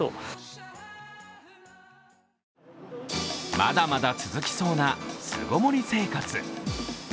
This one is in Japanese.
まだまだ続きそうな巣ごもり生活。